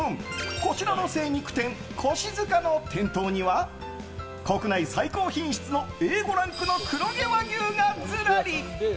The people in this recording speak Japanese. こちらの精肉店腰塚の店頭には国内最高品質のＡ５ランクの黒毛和牛がずらり。